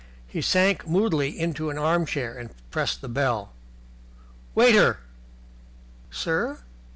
He sank moodily into an arm chair and pressed the bell. "Waiter!" "Sir?"